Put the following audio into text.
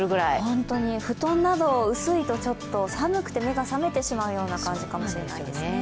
本当に、布団など薄いと寒くて目が覚めてしまう感じかもしれないですね。